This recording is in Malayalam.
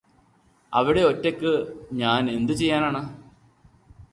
അവിടെ ഒറ്റക്ക് ഞാനെന്ത് ചെയ്യാനാണ്